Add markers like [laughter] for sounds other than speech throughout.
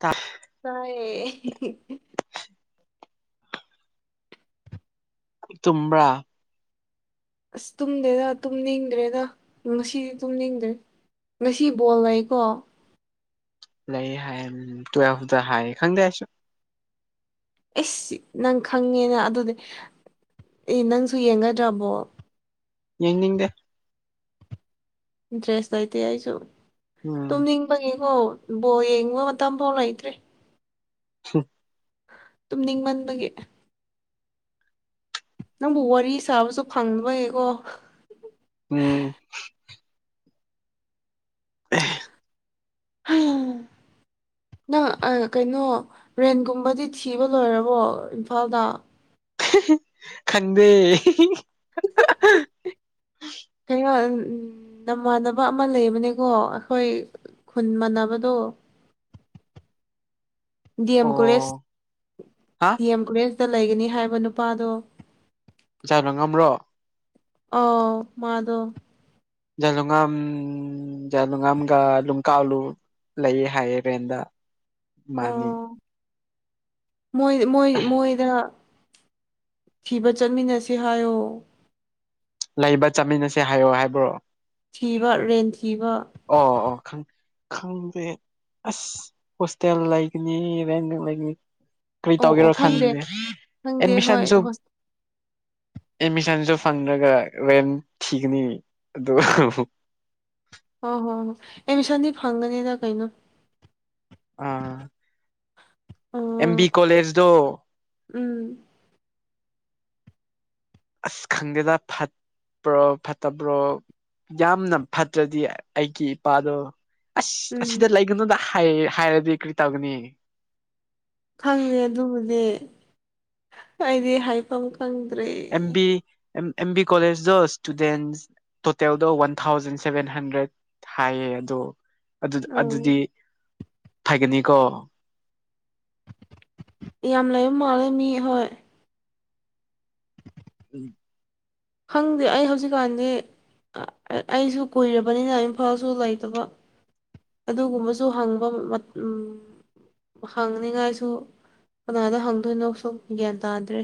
ꯇꯞ [unintelligible] ꯑꯥꯢꯌꯦ ꯇꯨꯝꯕ꯭ꯔꯥ ꯑꯁ ꯇꯨꯝꯗꯦꯗ ꯇꯨꯝꯅꯤꯡꯗ꯭ꯔꯦꯗ ꯉꯁꯤꯗꯤ ꯇꯨꯝꯅꯤꯡꯗ꯭ꯔꯦ ꯉꯁꯤ ꯕꯣꯜ ꯂꯩꯀꯣ ꯂꯩ ꯍꯥꯏꯌꯦ ꯇꯨꯋꯦꯜꯐꯇ ꯍꯥꯏꯌꯦ ꯈꯪꯗꯦ ꯑꯩꯁꯨ ꯑꯩꯁ ꯅꯪ ꯈꯪꯉꯦꯅ ꯑꯗꯨꯗꯤ ꯑꯦ ꯅꯪꯁꯨ ꯌꯦꯡꯒꯗ꯭ꯔꯕꯣ ꯌꯦꯡꯅꯤꯡꯗꯦ ꯗ꯭ꯔꯦꯁ ꯂꯩꯇꯦ ꯑꯩꯁꯨ ꯎꯝ ꯇꯨꯝꯅꯤꯡ ꯒꯤꯀꯣ ꯕꯣꯜ ꯌꯦꯡꯕ ꯃꯇꯝꯐꯥꯎ ꯂꯩꯇ꯭ꯔꯦ [unintelligible] ꯇꯨꯝꯅꯤꯡ ꯃꯟꯕꯒꯦ ꯅꯪꯕꯨ ꯋꯥꯔꯤ ꯁꯥꯕꯁꯨ ꯐꯪꯗꯕꯌꯦꯀꯣ ꯎꯝ [unintelligible] ꯅꯪ ꯀꯩꯅꯣ ꯔꯦꯟꯒꯨꯝꯕꯗꯤ ꯊꯤꯕ ꯂꯣꯏꯔꯕꯣ ꯏꯝꯐꯥꯜꯗ ꯈꯪꯗꯔꯥꯗꯤ ꯍꯩꯅꯣ ꯅꯃꯥꯟꯅꯕ ꯑꯃ ꯂꯩꯕꯅꯦꯀꯣ ꯑꯩꯈꯣꯏ ꯈꯨꯟ ꯃꯥꯟꯅꯕꯗꯣ ꯗꯤ ꯑꯦꯝ ꯀꯣꯂꯦꯖ ꯑꯣ ꯍꯥ ꯗꯤ ꯑꯦꯝ ꯀꯣꯂꯦꯖꯇ ꯂꯩꯒꯅꯤ ꯍꯥꯏꯕ ꯅꯨꯄꯥꯗꯣ ꯆꯥꯕ ꯉꯝꯕ꯭ꯔꯣ ꯑꯥꯎ ꯃꯗꯣ [unintelligible] ꯂꯩꯌꯦ ꯍꯥꯏꯌꯦ ꯀꯦꯟꯗ ꯃꯥꯅꯤ ꯑꯣ ꯃꯣꯏ ꯃꯣꯏ ꯃꯣꯏꯗ ꯊꯤꯕ ꯆꯠꯃꯤꯟꯅꯁꯤ ꯍꯥꯏꯌꯣ ꯂꯩꯕ ꯆꯠꯃꯤꯟꯅꯁꯦ ꯍꯥꯏꯌꯣ ꯍꯥꯏꯕ꯭ꯔꯣ ꯊꯤꯕ ꯔꯦꯟ ꯊꯤꯕ ꯑꯣ ꯑꯣ ꯈꯪꯗꯦ ꯑꯁ ꯍꯣꯁꯇꯦꯜ ꯂꯩꯒꯅꯤ ꯔꯦꯟ ꯂꯩꯒꯅꯤ ꯀꯔꯤ ꯑꯣ ꯑꯣ ꯇꯧꯒꯦꯔꯣ ꯈꯪꯗꯦ ꯈꯪꯗꯦ ꯍꯣꯏ ꯑꯦꯠꯃꯤꯁꯟꯁꯨ ꯍꯣꯏ ꯑꯦꯠꯃꯤꯁꯟꯁꯨ ꯐꯪꯗ꯭ꯔꯒ ꯔꯦꯟ ꯊꯤꯒꯅꯤ ꯑꯗꯨ ꯑꯣ ꯍꯣ ꯑꯦꯗꯃꯤꯁꯟꯗꯤ ꯐꯪꯒꯅꯤꯗ ꯀꯩꯅꯣ ꯑꯥ ꯑꯦꯝ ꯑꯣ ꯕꯤ ꯀꯣꯂꯦꯖꯇꯣ ꯎꯝ ꯑꯁ ꯈꯪꯗꯦꯗ ꯐꯕ꯭ꯔꯣ ꯐꯠꯇꯕ꯭ꯔꯣ ꯌꯥꯝꯅ ꯐꯠꯇ꯭ꯔꯗꯤ ꯑꯩꯒꯤ ꯏꯄꯥꯗꯣ ꯑꯁ ꯎꯝ ꯑꯁꯤꯗ ꯂꯩꯒꯅꯨꯗ ꯍꯥꯏ ꯍꯥꯏꯔꯗꯤ ꯀꯔꯤ ꯇꯧꯒꯅꯤ ꯈꯪꯗꯦ ꯑꯗꯨꯕꯨꯗꯤ ꯑꯩꯗꯤ ꯍꯥꯏꯐꯝ ꯈꯪꯗ꯭ꯔꯦ ꯑꯦꯝ ꯕꯤ ꯑꯦꯝ ꯕꯤ ꯀꯣꯂꯦꯖꯗꯣ ꯏꯁꯇꯨꯗꯦꯟ ꯇꯣꯇꯦꯜꯗꯣ ꯋꯥꯟ ꯊꯥꯎꯖꯟ ꯁꯚꯦꯟ ꯍꯟꯗ꯭ꯔꯦꯠ ꯍꯥꯏꯌꯦ ꯑꯗꯣ ꯑꯗꯨ ꯎꯝ ꯑꯗꯨꯗꯤ ꯐꯥꯒꯅꯤꯀꯣ ꯌꯥꯝ ꯂꯩꯕ ꯃꯥꯜꯂꯦ ꯃꯤ ꯍꯣꯏ [unintelligible] ꯈꯪꯗꯦ ꯑꯩ ꯍꯧꯖꯤꯛꯀꯥꯟꯗꯤ ꯑꯩꯁꯨ ꯀꯨꯏꯔꯕꯅꯤꯅ ꯏꯝꯐꯥꯜꯁꯨ ꯂꯩꯇꯕ ꯑꯗꯨꯒꯨꯝꯕꯁꯨ ꯍꯪꯕ ꯍꯪꯅꯤꯉꯥꯏꯁꯨ ꯀꯅꯥꯗ ꯍꯪꯗꯣꯏꯅꯣ ꯁꯨꯝ ꯒ꯭ꯌꯥꯟ ꯇꯥꯗ꯭ꯔꯦ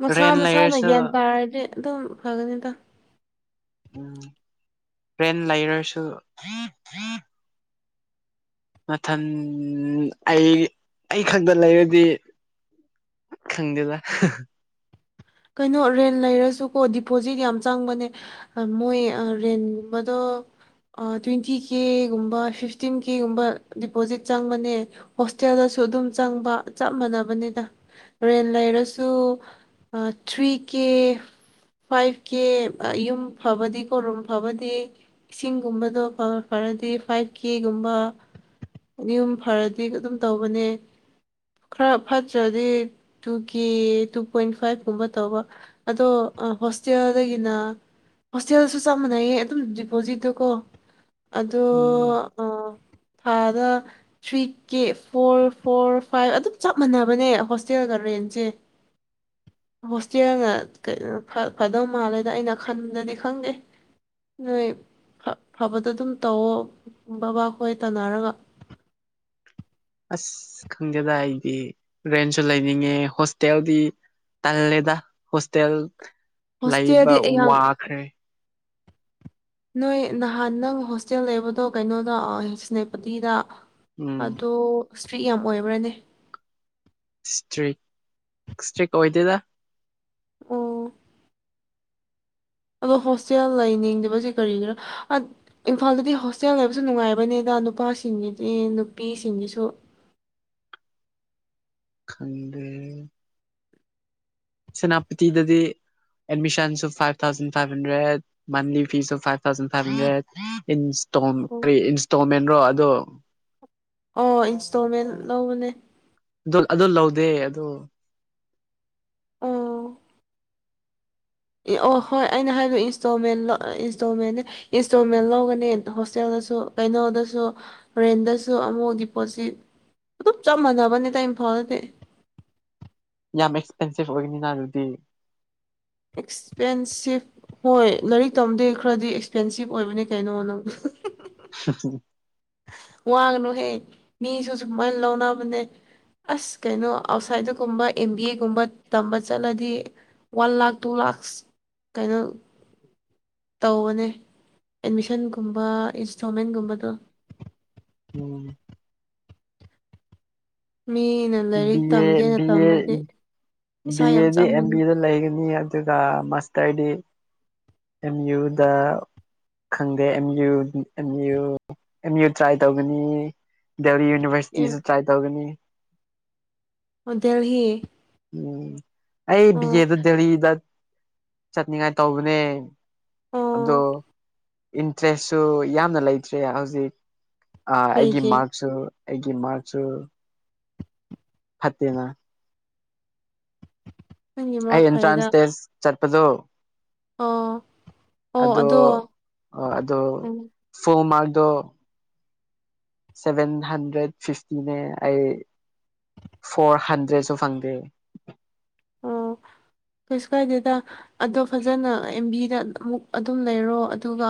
ꯃꯁꯥ ꯔꯦꯟ ꯃꯁꯥꯅ ꯂꯩꯔꯁꯨ ꯒ꯭ꯌꯥꯟ ꯇꯥꯔꯗꯤ ꯑꯗꯨꯝ ꯐꯒꯅꯤꯗ ꯎꯝ ꯇ꯭ꯔꯦꯟ ꯂꯩꯔꯁꯨ ꯃꯊꯟ ꯑꯩ ꯑꯩ ꯈꯛꯇ ꯂꯩꯔꯗꯤ ꯈꯪꯗꯦꯗꯥ ꯀꯩꯅꯣ ꯔꯦꯟ ꯂꯩꯔꯁꯨꯀꯣ ꯗꯤꯄꯣꯖꯤꯠ ꯌꯥꯝ ꯆꯪꯕꯅꯦ ꯑ ꯃꯣꯏ ꯑ ꯔꯦꯟꯒꯨꯝꯕꯗꯣ ꯑ ꯇꯣꯏꯟꯇꯤ ꯀꯦꯒꯨꯝꯕ ꯐꯤꯐꯇꯤꯟ ꯀꯦꯒꯨꯝꯕ ꯗꯤꯄꯣꯖꯤꯠ ꯆꯪꯕꯅꯦ ꯍꯣꯁꯇꯦꯜꯗꯁꯨ ꯑꯗꯨꯝ ꯆꯪꯕ ꯆꯞ ꯃꯥꯟꯅꯕꯅꯤꯗ ꯔꯦꯟ ꯂꯩꯔꯁꯨ ꯑ ꯊ꯭ꯔꯤ ꯀꯦ ꯐꯥꯏꯚ ꯀꯦ ꯑ ꯌꯨꯝ ꯐꯕꯗꯤ ꯀꯣ ꯔꯨꯝ ꯐꯕꯗꯤ ꯏꯁꯤꯡꯒꯨꯝꯕꯗꯣ ꯈꯒꯥ ꯐꯔꯗꯤ ꯐꯥꯏꯚ ꯀꯦꯒꯨꯝꯕ ꯑꯅꯤꯍꯨꯝ ꯐꯔꯗꯤ ꯑꯗꯨ ꯗꯨꯝ ꯇꯧꯕꯅꯦ ꯈꯔ ꯐꯠꯇ꯭ꯔꯗꯤ two K two point five ꯨꯀꯨꯝꯕ ꯇꯧꯕ ꯑꯗꯣ ꯑ ꯍꯣꯁꯇꯦꯜꯗꯒꯤꯅ ꯍꯣꯁꯇꯦꯜꯁꯨ ꯆꯞ ꯃꯥꯟꯅꯩꯌꯦ ꯑꯗꯨꯝ ꯗꯤꯄꯣꯖꯤꯠꯇꯣ ꯀꯣ ꯑꯗꯣ ꯎꯝ ꯑ ꯊꯥꯗ three K four four five ꯑꯗꯨꯝ ꯆꯞ ꯃꯥꯟꯅꯕꯅꯦ ꯍꯣꯁꯇꯦꯜꯒ ꯔꯦꯟꯁꯦ ꯍꯣꯁꯇꯦꯜꯅ ꯀꯩꯅꯣ ꯈꯔ ꯐꯗꯧ ꯃꯥꯜꯂꯦꯗ ꯑꯩꯅ ꯈꯟꯕꯗꯗꯤ ꯈꯪꯗꯦ ꯅꯣꯏ ꯐ ꯐꯕꯗꯣ ꯑꯗꯨꯝ ꯇꯧꯋꯣ ꯕꯥꯕꯥ ꯈꯣꯏ ꯇꯥꯟꯅꯔꯒ ꯑꯁ ꯈꯪꯗꯦꯗ ꯑꯩꯗꯤ ꯔꯦꯟꯁꯨ ꯂꯩꯅꯤꯡꯉꯦ ꯍꯣꯁꯇꯦꯜꯗꯤ ꯇꯜꯂꯦꯗ ꯍꯣꯁꯇꯦꯜ ꯂꯩꯕ ꯍꯣꯁꯇꯦꯜꯗꯤ ꯑꯩ ꯌꯥꯝ ꯋꯥꯈ꯭ꯔꯦ ꯅꯣꯏ ꯅꯍꯥꯟ ꯅꯪ ꯍꯣꯁꯇꯦꯜ ꯂꯩꯕꯗꯣ ꯀꯩꯅꯣꯗꯣ ꯑ ꯏꯁꯅꯦꯄꯇꯤꯗ ꯎꯝ ꯑꯗꯣ ꯏꯁꯇ꯭ꯔꯤꯛ ꯌꯥꯝ ꯑꯣꯏꯕ꯭ꯔꯥꯅꯦ ꯏꯁꯇ꯭ꯔꯤꯛ ꯏꯁꯇ꯭ꯔꯤꯛ ꯑꯣꯏꯗꯦꯗ ꯑꯣ ꯑꯗꯣ ꯍꯣꯁꯇꯦꯜ ꯂꯩꯅꯤꯡꯗꯕꯁꯦ ꯀꯔꯤꯒꯤꯔ ꯑꯠ ꯏꯝꯐꯥꯜꯗꯗꯤ ꯍꯣꯁꯇꯦꯜ ꯂꯩꯕꯁꯨ ꯅꯨꯡꯉꯥꯏꯕꯅꯤꯗ ꯅꯨꯄꯥꯁꯤꯡꯒꯤꯗꯤ ꯅꯨꯄꯤꯁꯤꯡꯒꯤꯁꯨ ꯈꯪꯗ꯭ꯔꯦ ꯁꯦꯅꯥꯄꯇꯤꯗꯗꯤ ꯑꯦꯗꯃꯤꯁꯟꯁꯨ ꯐꯥꯏꯚ ꯊꯥꯎꯖꯟ ꯐꯥꯏꯚ ꯍꯟꯗ꯭ꯔꯦꯠ ꯃꯟꯂꯤ ꯐꯤꯁꯨ ꯐꯥꯏꯚ ꯊꯥꯎꯖꯟ ꯐꯥꯏꯚ ꯍꯟꯗ꯭ꯔꯦꯗ ꯏꯟꯁꯇꯣꯝ ꯑꯣ ꯀꯔꯤ ꯏꯟꯁꯇꯣꯜꯃꯦꯟꯔꯣ ꯑꯗꯣ ꯑꯣ ꯏꯟꯁꯇꯣꯜꯃꯦꯟ ꯂꯧꯕꯅꯦ ꯗꯣ ꯑꯗꯣ ꯂꯧꯗꯦ ꯑꯗꯣ ꯑꯣ ꯑꯦ ꯑꯣ ꯍꯣꯏ ꯑꯩꯅ ꯍꯥꯏꯕ ꯏꯟꯁꯇꯣꯜꯃꯦꯟꯂꯣ ꯑ ꯏꯟꯁꯇꯣꯜꯃꯦꯟꯅꯦ ꯏꯟꯁꯇꯣꯜꯃꯦꯟ ꯂꯧꯕꯅꯦ ꯍꯣꯁꯇꯦꯜꯗꯁꯨ ꯀꯩꯅꯣꯗꯁꯨ ꯔꯦꯟꯗꯁꯨ ꯑꯃꯨꯛ ꯗꯤꯄꯣꯠꯖꯤꯠ ꯑꯗꯨꯝ ꯆꯞ ꯃꯥꯟꯅꯕꯅꯤꯗ ꯏꯝꯐꯥꯜꯗꯗꯤ ꯌꯥꯝ ꯑꯦꯛꯁꯄꯦꯟꯁꯤꯞ ꯑꯣꯏꯒꯅꯤꯅ ꯑꯗꯨꯗꯤ ꯑꯦꯛꯁꯄꯦꯟꯁꯤꯞ ꯍꯣꯏ ꯂꯥꯏꯔꯤꯛ ꯇꯝꯗꯦ ꯈꯔꯗꯤ ꯑꯦꯛꯁꯄꯦꯟꯁꯤꯞ ꯑꯣꯏꯕꯅꯤ ꯀꯩꯅꯣ ꯅꯪ [unintelligible] ꯋꯥꯒꯅꯨꯍꯦ ꯃꯤꯁꯨ ꯁꯨꯃꯥꯏ ꯂꯧꯅꯕꯅꯦ ꯑꯁ ꯀꯩꯅꯣ ꯑꯥꯎꯠꯁꯥꯏꯗꯒꯨꯝꯕ ꯑꯦꯝ ꯕꯤ ꯑꯦꯒꯨꯝꯕ ꯇꯝꯕ ꯆꯠꯂꯗꯤ ꯋꯥꯟ ꯂꯥꯈ ꯇꯨ ꯂꯥꯈꯁ ꯀꯩꯅꯣ ꯇꯧꯕꯅꯦ ꯑꯦꯗꯃꯤꯁꯟꯒꯨꯝꯕ ꯏꯟꯁꯇꯣꯜꯃꯦꯟꯒꯨꯝꯕꯗꯣ ꯎꯝ ꯃꯤꯅ ꯂꯥꯏꯔꯤꯛ ꯕꯤꯑꯦ ꯇꯝꯒꯦꯅ ꯕꯤꯑꯦ ꯇꯝꯃꯗꯤ ꯄꯩꯁꯥ ꯌꯥꯝ ꯕꯤꯑꯦꯗꯤ ꯆꯪꯕꯅꯦ ꯑꯦꯝꯕꯤ ꯗ ꯂꯩꯒꯅꯤ ꯍꯥꯏ ꯔꯒ ꯃꯥꯁꯇꯔꯗꯤ ꯑꯦꯝ ꯌꯨꯗ ꯈꯪꯗꯦ ꯑꯦꯝ ꯌꯨ ꯗꯤ M U M U try ꯇꯧꯒꯅꯤ ꯗꯦꯍꯂꯤ ꯑꯦ ꯌꯨꯅꯤꯚꯔꯁꯤꯇꯤꯁꯨ ꯇ꯭ꯔꯥꯏ ꯇꯧꯒꯅꯤ ꯍꯣ ꯗꯦꯜꯍꯤ ꯎꯝ ꯑꯩ ꯕꯤ ꯑꯣ ꯑꯦ ꯗꯥ ꯗꯦꯜꯂꯤꯗꯠ ꯆꯠꯅꯤꯡꯉꯥꯏ ꯇꯧꯕꯅꯦ ꯑꯗꯣ ꯑꯣ ꯏꯟꯇ꯭ꯔꯦꯁꯁꯨ ꯌꯥꯝꯅ ꯂꯩꯇ꯭ꯔꯦ ꯍꯧꯖꯤꯛ ꯑꯥ ꯑꯩꯒꯤ ꯀꯩꯒꯤ ꯃꯥꯔꯛꯁꯨ ꯑꯩꯒꯤ ꯃꯥꯔꯛꯁꯨ ꯐꯠꯇꯦꯅꯥ ꯅꯪꯒꯤ ꯃꯥꯔꯛ ꯑꯩ ꯐꯩꯗ ꯑꯦꯟꯇ꯭ꯔꯥꯥꯟꯁ ꯇꯦꯁ ꯆꯠꯄꯗꯣ ꯑꯣ ꯑꯗꯣ ꯑꯥ ꯑꯗꯣ ꯎꯝ ꯐꯨꯜ ꯃꯥꯔꯛ ꯗꯣ ꯁꯚꯦꯟ ꯍꯟꯗ꯭ꯔꯦꯠ ꯐꯤꯐꯇꯤꯅꯦ ꯑꯩ ꯐꯣꯔ ꯍꯟꯗ꯭ꯔꯦꯗꯁꯨ ꯐꯪꯗꯦ ꯑꯣ [unintelligible] ꯀꯩꯁꯨ ꯀꯥꯏꯗꯦꯗ ꯑꯗꯣ ꯐꯖꯅ ꯑꯦꯝ ꯕꯤ ꯗꯥ ꯑꯃꯨꯛ ꯑꯗꯨꯝ ꯂꯩꯔꯣ ꯑꯗꯨꯒ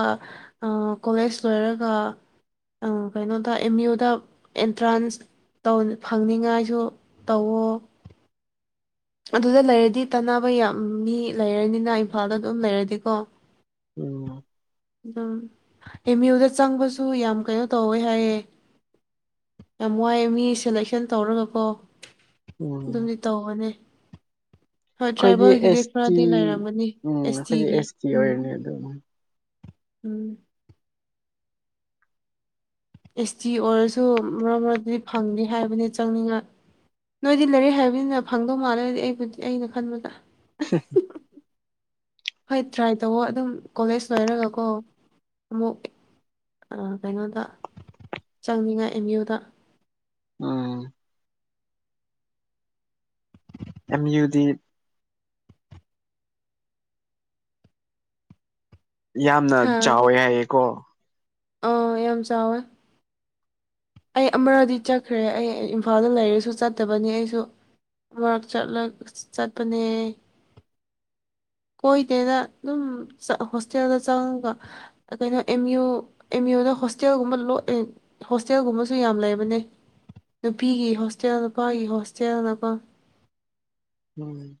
ꯑꯥ ꯀꯣꯂꯦꯖ ꯂꯣꯏꯔꯒ ꯑꯥ ꯀꯩꯅꯣꯗ ꯑꯦꯝ ꯌꯨ ꯗꯥ ꯑꯦꯟꯇ꯭ꯔꯥꯟꯁ ꯇꯧꯅ ꯐꯪꯅꯤꯡꯉꯥꯏꯁꯨ ꯇꯧꯋꯣ ꯑꯗꯨꯗ ꯂꯩꯔꯗꯤ ꯇꯅꯕ ꯌꯥꯝ ꯃꯤ ꯂꯩꯔꯅꯤꯅ ꯏꯝꯐꯥꯜꯗ ꯑꯗꯨꯝ ꯂꯩꯔꯗꯤꯀꯣ ꯎꯝ ꯑꯗꯨꯝ ꯑꯦꯝ ꯌꯨ ꯗꯥ ꯆꯪꯕꯁꯨ ꯌꯥꯝ ꯀꯩꯅꯣ ꯇꯧꯋꯦ ꯍꯥꯏꯌꯦ ꯌꯥꯝ ꯋꯥꯏꯑꯦ ꯃꯤ ꯁꯦꯂꯦꯛꯁꯟ ꯇꯧꯔꯒꯀꯣ ꯎꯝ ꯑꯗꯨꯝꯗꯤ ꯇꯧꯕꯅꯦ ꯍꯣꯏ ꯈꯣꯏꯗꯤ ꯇ꯭ꯔꯥꯏꯕꯦꯜꯒꯤꯗꯤ ꯑꯦꯁ ꯇꯤ ꯈꯔꯗꯤ ꯂꯩꯔꯝꯒꯅꯤ ꯎꯝ ꯑꯈꯣꯏꯗꯤ ꯇꯤꯒꯤ ꯑꯦꯁ ꯇꯤ ꯎꯝ ꯑꯣꯏꯔꯅꯤ ꯑꯗꯨꯝ ꯎꯝ ꯑꯦꯁ ꯇꯤ ꯑꯣꯏꯔꯁꯨ ꯃꯔꯛ ꯃꯔꯛꯇꯗꯤ ꯐꯪꯗꯤ ꯍꯥꯏꯕꯅꯦ ꯆꯪꯅꯤꯡꯉꯥꯏ ꯅꯣꯏꯗꯤ ꯂꯩꯔꯤꯛ ꯍꯩꯕꯅꯤꯅ ꯐꯪꯗꯧ ꯃꯥꯜꯂꯦ ꯑꯩꯗꯤ ꯑꯩꯕꯨꯗꯤ ꯑꯩꯅ ꯈꯟꯕꯗ [unintelligible] ꯍꯣꯏ ꯇ꯭ꯔꯥꯏ ꯇꯧꯋꯣ ꯑꯗꯨꯝ ꯀꯣꯂꯦꯖ ꯂꯣꯏꯔꯒꯀꯣ ꯑꯃꯨꯛ ꯑꯥ ꯀꯩꯅꯣꯗ ꯆꯪꯅꯤꯉꯥꯏ ꯑꯦꯝ ꯌꯨ ꯗꯥ ꯎꯝ [inaudible] ꯑꯦꯝ ꯌꯨ ꯗꯤ ꯌꯥꯝꯅ ꯆꯥꯎꯋꯦ ꯍꯥꯏꯌꯦꯀꯣ? ꯑꯥ ꯌꯥꯝ ꯆꯥꯎꯋꯦ꯫ ꯑꯩ ꯑꯃꯔꯛꯗꯤ ꯆꯠꯈ꯭ꯔꯦ ꯑꯩ ꯏꯝꯐꯥꯜꯗ ꯂꯩꯔꯁꯨ ꯆꯠꯇꯕꯅꯦ ꯑꯩꯁꯨ ꯑꯃꯔꯛ ꯆꯠꯂꯛ ꯆꯠꯄꯅꯦ ꯀꯣꯏꯗꯦꯗꯥ ꯑꯗꯨꯝ ꯆꯥ ꯍꯣꯁꯇꯦꯜꯗ ꯆꯪꯉꯒ ꯑꯥ ꯀꯩꯅꯣ ꯑꯦꯝ ꯌꯨ ꯑꯦꯝ ꯌꯨ ꯗꯥ ꯍꯣꯁꯇꯦꯜꯒꯨꯝꯕ ꯂꯣꯠ ꯑꯦꯟ ꯍꯣꯁꯇꯦꯜꯒꯨꯝꯕꯁꯨ ꯌꯥꯝ ꯂꯩꯕꯅꯦ, ꯅꯨꯄꯤꯒꯤ ꯍꯣꯁꯇꯦꯜ, ꯅꯨꯄꯥꯒꯤ ꯍꯣꯁꯇꯦꯜꯅꯀꯣ ꯃꯡꯅꯩ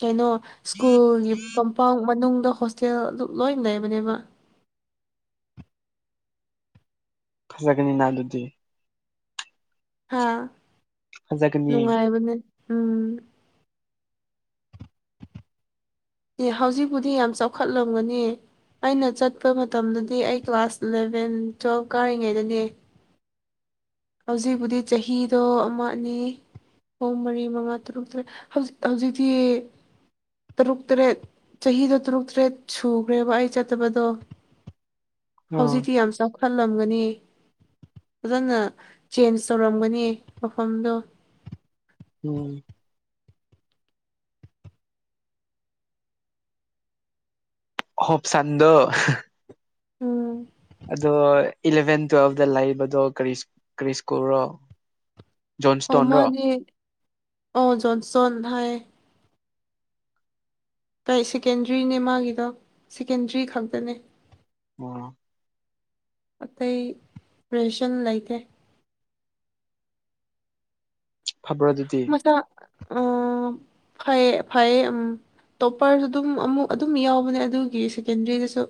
ꯀꯩꯅꯣ ꯁ꯭ꯀꯨꯜꯒꯤ ꯀꯝꯄꯥꯎꯟ ꯃꯅꯨꯡꯗ ꯍꯣꯁꯇꯦꯜ ꯑꯗꯨ ꯂꯣꯏ ꯂꯩꯕꯅꯦꯕ ꯈꯜꯂꯒꯅꯤꯅ ꯑꯗꯨꯗꯤ ꯍꯥꯥ ꯐꯖꯒꯅꯤ ꯅꯨꯡꯉꯥꯏꯕꯅꯦ ꯎꯝ ꯑꯦ ꯍꯧꯖꯤꯛꯄꯨꯗꯤ ꯌꯥꯝ ꯆꯥꯎꯈꯠꯂꯝꯒꯅꯤ ꯑꯩꯅ ꯆꯠꯄ ꯃꯇꯝꯗꯗꯤ ꯑꯩ ꯀ꯭ꯂꯥꯁ ꯑꯦꯂꯚꯦꯟ ꯇ꯭ꯋꯦꯜꯐ ꯀꯥꯔꯤꯉꯩꯗꯅꯦ ꯍꯧꯖꯤꯛꯄꯨꯗꯤ ꯆꯍꯤꯗꯣ ꯑꯃ ꯑꯅꯤ ꯍꯨꯝ ꯃꯔꯤ ꯃꯉꯥ ꯇꯔꯨꯛ ꯇꯔꯦꯠ ꯍꯧꯖꯤꯛ ꯍꯧꯖꯤꯛꯇꯤ ꯇꯔꯨꯛ ꯇꯔꯦꯠ ꯆꯍꯤꯗꯣ ꯇꯔꯨꯛ ꯇꯔꯦꯠ ꯁꯨꯈ꯭ꯔꯦꯕ ꯑꯩ ꯆꯠꯇꯕꯗꯣ ꯑꯥ ꯍꯧꯖꯤꯛꯇꯤ ꯌꯥꯝ ꯆꯥꯎꯈꯠꯂꯝꯒꯅꯤ ꯐꯖꯅ ꯆꯦꯟꯖ ꯇꯧꯔꯝꯒꯅꯤ ꯃꯐꯝꯗꯣ ꯎꯝ ꯍꯣꯞꯁꯥꯟꯗꯨ [unintelligible] ꯎꯝ ꯑꯗꯨꯑꯣꯏ ꯏꯂꯚꯦꯟ ꯇꯨꯋꯦꯜꯚꯇ ꯂꯩꯕꯗꯣ ꯀꯔꯤꯁ ꯀꯔꯤ ꯁ꯭ꯀꯨꯜ ꯔꯣ ꯑꯃꯒꯤ ꯑꯣ ꯖꯣꯟꯁꯇꯣꯟ ꯍꯥꯏꯌꯦ ꯀꯩ ꯁꯦꯀꯦꯟꯗ꯭ꯔꯤꯅꯦ ꯃꯥꯒꯤꯗꯣ ꯁꯦꯀꯦꯟꯗ꯭ꯔꯤ ꯈꯛꯇꯅꯦ ꯑꯣ ꯑꯇꯩ ꯄ꯭ꯔꯦꯁꯟ ꯂꯩꯇꯦ ꯐꯕ꯭ꯔꯣ ꯑꯗꯨꯗꯤ ꯃꯁꯥ [inaudible] ꯐꯩ ꯐꯩꯌꯦ ꯎꯝ ꯇꯣꯞꯄꯔꯁꯨ ꯑꯗꯨꯝ ꯑꯃꯨꯛ ꯑꯗꯨꯝ ꯌꯥꯎꯕꯅꯦ ꯑꯗꯨꯒꯤ ꯁꯦꯀꯦꯟꯗ꯭ꯔꯤꯗꯁꯨ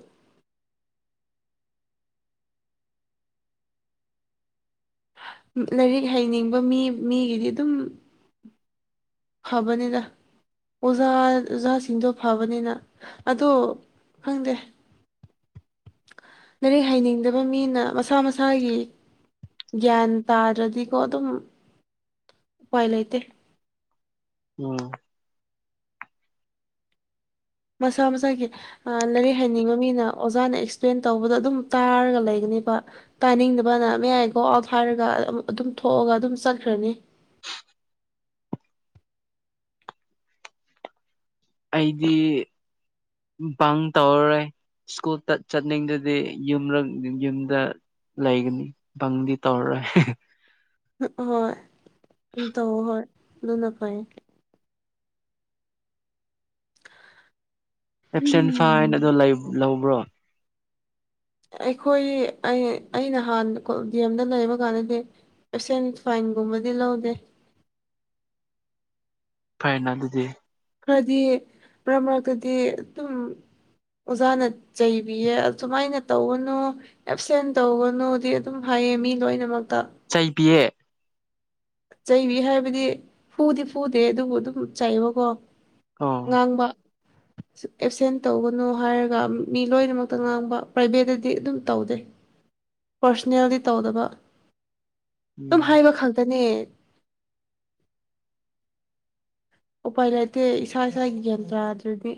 ꯎꯝ ꯂꯥꯏꯔꯤꯛ ꯍꯩꯅꯤꯡꯕ ꯃꯤ ꯃꯤꯒꯤꯗꯤ ꯑꯗꯨꯝ ꯐꯕꯅꯤꯗ ꯑꯣꯖꯥ ꯑꯣꯖꯥꯁꯤꯡꯗꯣ ꯐꯕꯅꯤꯅ ꯑꯗꯣ ꯈꯪꯗꯦ ꯂꯥꯏꯔꯤꯛ ꯍꯩꯅꯤꯡꯗꯕ ꯃꯤꯅ ꯃꯁꯥ ꯃꯁꯥꯒꯤ ꯒ꯭ꯌꯥꯟ ꯇꯥꯗ꯭ꯔꯗꯤꯀꯣ ꯑꯗꯨꯝ ꯎꯄꯥꯏ ꯂꯩꯇꯦ ꯎꯝ ꯃꯁꯥ ꯃꯁꯥꯒꯤ ꯑ ꯂꯥꯏꯔꯤꯛ ꯍꯩꯅꯤꯡꯕ ꯃꯤꯅ ꯑꯣꯖꯥꯅ ꯑꯦꯛꯁꯄ꯭ꯂꯦꯟ ꯇꯧꯕꯗ ꯑꯗꯨꯝ ꯇꯥꯔꯒ ꯂꯩꯒꯅꯦꯕ ꯇꯥꯅꯤꯡꯗꯕꯅ ꯃꯣ ꯑꯥꯏ ꯒꯣ ꯑꯥꯎꯠ ꯍꯥꯏꯔꯒ ꯑꯗꯨꯝ ꯊꯣꯛꯑꯒ ꯑꯗꯨꯝ ꯆꯠꯈ꯭ꯔꯅꯤ ꯑꯩꯗꯤ ꯕꯪ ꯇꯧꯔꯔꯣꯏ ꯁ꯭ꯀꯨꯜ ꯇꯠ ꯆꯠꯅꯤꯡꯗꯗꯤ ꯌꯨꯝꯔ ꯌꯨꯝꯗ ꯂꯩꯒꯅꯤ ꯕꯪꯗꯤ ꯇꯧꯔꯔꯣꯏ ꯎꯝ ꯍꯣꯏ ꯎꯝ ꯇꯧ ꯍꯣꯏ ꯑꯗꯨꯅ ꯐꯩ ꯑꯦꯞꯁꯦꯟ ꯐꯥꯏꯟ ꯑꯗꯣ ꯂꯩ ꯂꯧꯕ꯭ꯔꯣ ꯑꯩꯈꯣꯏꯒꯤ ꯑꯩ ꯑꯩꯅꯍꯥꯟ ꯀꯣ ꯗꯤ ꯑꯦꯝꯗ ꯂꯩꯕ ꯀꯥꯟꯗꯗꯤ ꯑꯦꯞꯁꯦꯟ ꯐꯥꯏꯟꯒꯨꯝꯕꯗꯤ ꯂꯧꯗꯦ ꯐꯩꯅ ꯑꯗꯨꯗꯤ ꯈꯔꯗꯤ ꯃꯔꯛ ꯃꯔꯛꯇꯗꯤ ꯑꯗꯨꯝ ꯑꯣꯖꯥꯅ ꯆꯩꯕꯤꯌꯦ ꯑꯁꯨꯃꯥꯏꯅ ꯇꯧꯒꯅꯨ ꯑꯦꯞꯁꯦꯟ ꯇꯧꯒꯅꯨꯗꯤ ꯑꯗꯨꯝ ꯍꯥꯏꯌꯦ ꯃꯤ ꯂꯣꯏꯅꯃꯛꯇ ꯆꯩꯕꯤꯌꯦ ꯆꯩꯕꯤ ꯍꯥꯏꯕꯗꯤ ꯐꯨꯗꯤ ꯐꯨꯗꯦ ꯑꯗꯨꯕꯨ ꯑꯗꯨꯝ ꯆꯩꯥꯕꯀꯣ ꯑꯣ ꯉꯥꯡꯕ [inaudible] ꯑꯦꯞꯁꯦꯟ ꯇꯧꯒꯅꯨ ꯍꯥꯏꯔꯒ ꯃꯤ ꯂꯣꯏꯅꯃꯛꯇ ꯉꯥꯡꯕ ꯄ꯭ꯔꯥꯏꯚꯦꯠꯇꯗꯤ ꯑꯗꯨꯝ ꯇꯧꯗꯦ ꯄꯥꯔꯁꯣꯅꯦꯜꯗꯤ ꯇꯧꯗꯕ ꯑꯗꯨꯝ ꯎꯝ ꯍꯥꯏꯕ ꯈꯛꯇꯅꯦ ꯎꯄꯥꯏ ꯂꯩꯇꯦ ꯏꯁꯥ ꯏꯁꯥꯒꯤ ꯒ꯭ꯌꯥꯟ ꯇꯥꯗ꯭ꯔꯗꯤ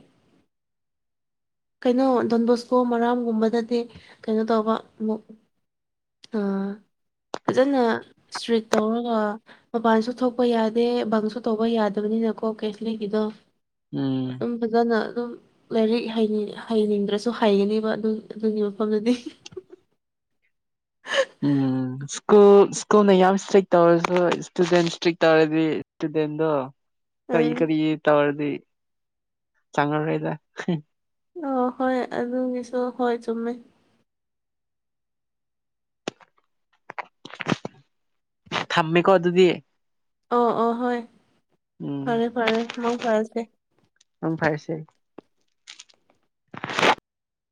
ꯀꯩꯅꯣ ꯗꯣꯟꯕꯣꯁꯀꯣ ꯃꯔꯥꯝꯒꯨꯝꯕꯗꯗꯤ ꯀꯩꯅꯣ ꯇꯧꯕ ꯑꯃꯨꯛ ꯑ ꯐꯖꯅ ꯏꯁꯇ꯭ꯔꯤꯠ ꯇꯧꯔꯒ ꯃꯄꯥꯟꯁꯨ ꯊꯣꯛꯄ ꯌꯥꯗꯦ ꯕꯪꯁꯨ ꯇꯧꯕ ꯌꯥꯗꯕꯅꯤꯅꯀꯣ ꯀꯦꯊ꯭ꯂꯤꯛꯀꯤꯗꯣ ꯎꯝ ꯑꯗꯨꯝ ꯐꯖꯅ ꯑꯗꯨꯝ ꯂꯥꯏꯔꯤꯛ ꯍꯩꯅꯤꯡ ꯍꯩꯅꯤꯡꯗ꯭ꯔꯁꯨ ꯍꯩꯒꯅꯦꯕ ꯑꯗꯨ ꯑꯗꯨꯒꯤ ꯃꯐꯝꯗꯗꯤ ꯎꯝ ꯁ꯭ꯀꯨꯜ ꯁ꯭ꯀꯨꯜꯅ ꯌꯥꯝ ꯁ꯭ꯇꯔꯤꯛ ꯇꯧꯔꯁꯨ ꯁ꯭ꯇꯨꯗꯦꯟ ꯁ꯭ꯇꯔꯤꯛ ꯇꯧꯔꯗꯤ ꯁ꯭ꯇꯨꯗꯦꯟꯗꯣ ꯀꯔꯤ ꯎꯝ ꯀꯔꯤ ꯇꯧꯔꯗꯤ ꯆꯥꯡꯉꯔꯣꯏꯗ ꯑ ꯍꯣꯏ ꯑꯗꯨꯒꯤꯁꯨ ꯍꯣꯏ ꯆꯨꯝꯃꯦ ꯊꯝꯃꯦꯀꯣ ꯑꯗꯨꯗꯤ ꯑꯣ ꯑꯣ ꯍꯣꯏ ꯎꯝ ꯐꯔꯦ ꯐꯔꯦ ꯃꯡ ꯐꯔꯁꯦ ꯎꯝ ꯐꯔꯁꯦ